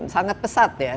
sangat pesat ya